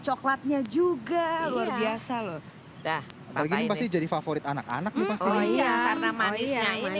coklatnya juga luar biasa loh dah lagi pasti jadi favorit anak anaknya oh iya karena manisnya ini